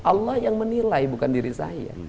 allah yang menilai bukan diri saya